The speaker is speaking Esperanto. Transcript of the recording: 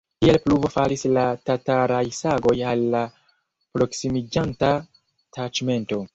Kiel pluvo falis la tataraj sagoj al la proksimiĝanta taĉmento.